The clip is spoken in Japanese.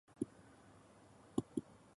お座も胃の腑も冷めてしまう